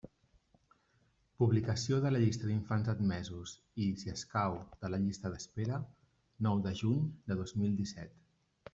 Publicació de la llista d'infants admesos i, si escau, de la llista d'espera: nou de juny de dos mil disset.